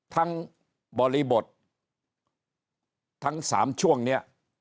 ทั้งบริบททั้งสามช่วงเนี่ย